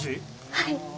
はい。